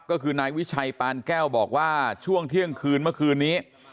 ก็คือนายวิชัยปานแก้วบอกว่าช่วงเที่ยงคืนเมื่อคืนนี้